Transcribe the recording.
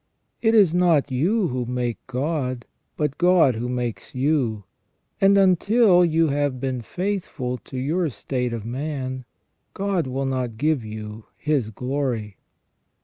It is not you who make God, but God who makes you ; and until you have been faithful to your state of man, God will not give you His glory.